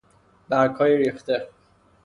برگهای ریخته